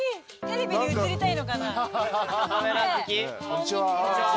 こんにちは。